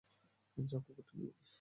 যা কুকুরটা নিয়ে আয়!